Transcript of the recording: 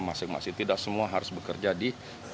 masing masing tidak semua harus bekerja di